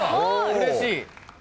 うれしい。